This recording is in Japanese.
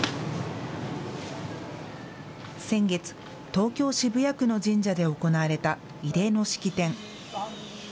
先月、東京・渋谷区の神社で行われた慰霊の式典。